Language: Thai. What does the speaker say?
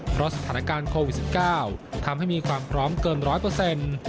เพราะสถานการณ์โควิด๑๙ทำให้มีความพร้อมเกินร้อยเปอร์เซ็นต์